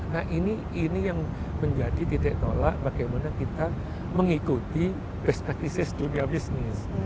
nah ini yang menjadi titik tolak bagaimana kita mengikuti best practices dunia bisnis